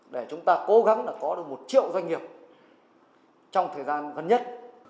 để chúng ta cố gắng là có được một triệu doanh nghiệp trong thời gian gần nhất